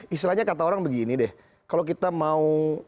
istilahnya kata orang begini deh kalau kita mau